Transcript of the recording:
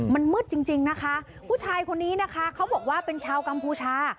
มันมืดจริงจริงนะคะผู้ชายคนนี้นะคะเขาบอกว่าเป็นชาวกัมพูชา